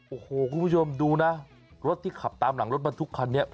โอ้โหคุณผู้ชมดูนะรถที่ขับตามหลังรถบรรทุกคันนี้